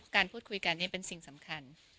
การพูดคุยกันเป็นสิ่งสำคัญ